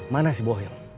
mana si boh yang